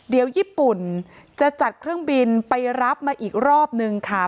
เดี๋ยวญี่ปุ่นจะจัดเครื่องบินไปรับมาอีกรอบนึงค่ะ